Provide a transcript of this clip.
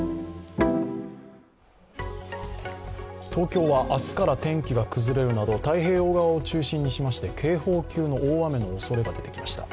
東京は明日から天気が崩れるなど、太平洋側を中心にしまして警報級の大雨のおそれが出てきました。